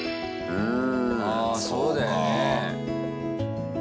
うん。